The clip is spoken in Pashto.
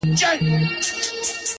مينه مني ميني څه انكار نه كوي.